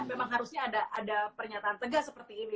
memang harusnya ada pernyataan tegas seperti ini